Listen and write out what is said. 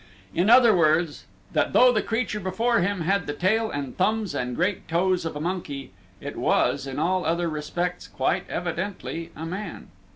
In other words, that though the creature before him had the tail and thumbs and great toes of a monkey, it was, in all other respects, quite evidently a man.